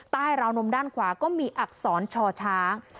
ราวนมด้านขวาก็มีอักษรช่อช้าง